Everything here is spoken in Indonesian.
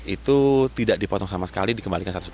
itu tidak dipotong sama sekali dikembalikan satu persen